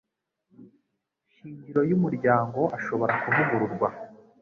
shingiro y umuryango ashobora kuvugururwa